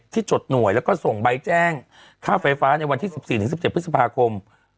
จดหน่วยแล้วก็ส่งใบแจ้งค่าไฟฟ้าในวันที่๑๔๑๗พฤษภาคม